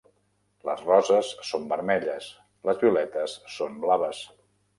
Les roses són vermelles, les violetes són blaves.